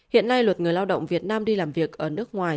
hiện nay luật người lao động việt nam đi làm việc ở nước ngoài